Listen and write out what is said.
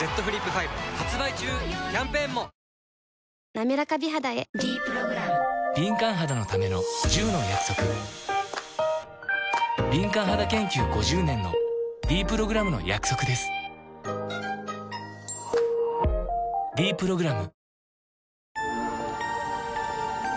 なめらか美肌へ「ｄプログラム」敏感肌研究５０年のｄプログラムの約束です「ｄプログラム」